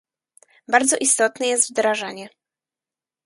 Bardzo istotne jest wdrażanie